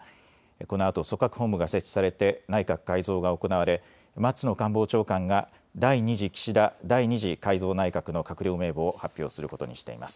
このあと組閣本部が設置されて内閣改造が行われ松野官房長官が第２次岸田第２次改造内閣の閣僚名簿を発表することにしています。